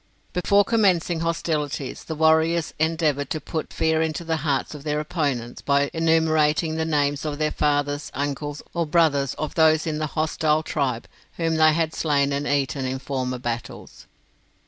Before commencing hostilities, the warriors endeavoured to put fear into the hearts of their opponents by enumerating the names of the fathers, uncles, or brothers of those in the hostile tribe whom they had slain and eaten in former battles.